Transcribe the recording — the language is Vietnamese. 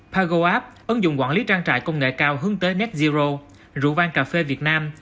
pagoapp ứng dụng quản lý trang trại công nghệ cao hướng tới net zero rượu vang cà phê việt nam